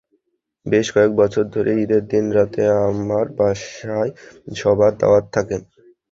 বেশ কয়েক বছর ধরেই ঈদের দিন রাতে আমার বাসায় সবার দাওয়াত থাকে।